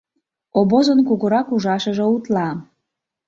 Обозын кугурак ужашыже утла.